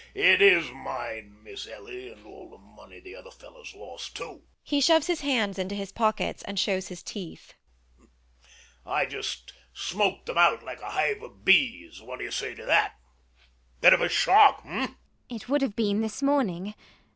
It is mine, Miss Ellie, and all the money the other fellows lost too. [He shoves his hands into his pockets and shows his teeth]. I just smoked them out like a hive of bees. What do you say to that? A bit of shock, eh? ELLIE. It would have been, this morning.